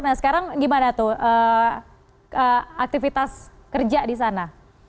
nah sekarang gimana tuh aktivitas kerja di sana